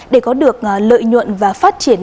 để có được lợi nhuận và phát triển